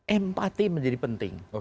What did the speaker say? empati menjadi penting